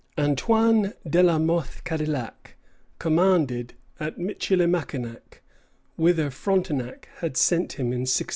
Antoine de La Mothe Cadillac commanded at Michilimackinac, whither Frontenac had sent him in 1694.